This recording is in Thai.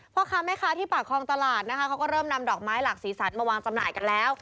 พ่อค้าแม่ค้าที่ปากคลองตลาดนะคะเขาก็เริ่มนำดอกไม้หลากสีสันมาวางจำหน่ายกันแล้ว